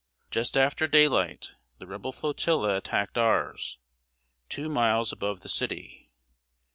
Just after daylight, the Rebel flotilla attacked ours, two miles above the city.